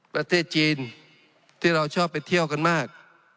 ประเทศจีนที่เราชอบไปเที่ยวกันมาก